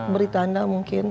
beri tanda mungkin